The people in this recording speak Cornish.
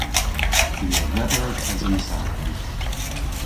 I a dheber tesen safran.